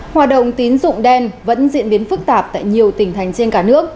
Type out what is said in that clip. hoạt động tín dụng đen vẫn diễn biến phức tạp tại nhiều tỉnh thành trên cả nước